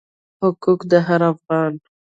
حقوق د هر افغان دی.